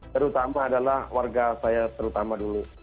terutama adalah warga saya terutama dulu